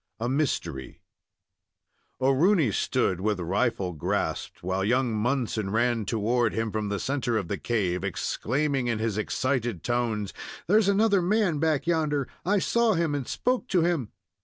A MYSTERY O'Rooney stood with rifle grasped, while young Munson ran toward him from the centre of the cave, exclaiming in his excited tones: "There's another man back yonder! I saw him and spoke to him!"